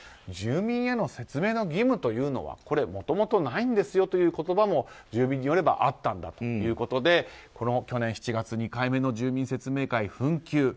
住民への説明の義務というのはもともとないんですよという言葉も住民によればあったんだということで去年７月、２回目の住民説明会は紛糾。